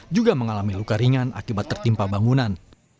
juga mengalami luka ringan akibat tertimpa bangunan